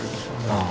ああ。